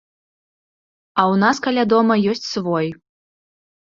У нас каля дома ёсць свой.